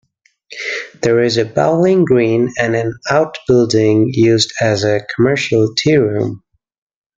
There is a bowling green and an outbuilding used as a commercial tea-room.